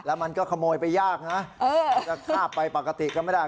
แล้วมันก็ขโมยไปยากนะจะฆ่าไปปกติก็ไม่ได้